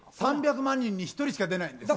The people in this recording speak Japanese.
「３００万人に１人しか出ないんです」